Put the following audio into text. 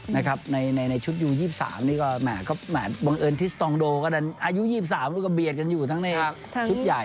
ในชุดยู๒๓บังเอิญทิสตองโดก็อายุ๒๓ก็เบียดกันอยู่ทั้งในชุดใหญ่